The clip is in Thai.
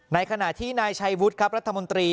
ในขณะที่นายชัยวุฒิครับรัฐมนตรี